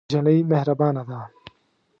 نجلۍ مهربانه ده.